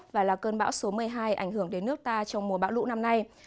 và là cơn bão số một mươi hai ảnh hưởng đến nước ta trong mùa bão lũ năm nay